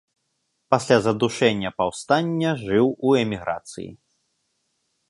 Пасля задушэння паўстання жыў у эміграцыі.